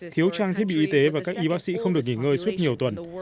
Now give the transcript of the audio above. thiếu trang thiết bị y tế và các y bác sĩ không được nghỉ ngơi suốt nhiều tuần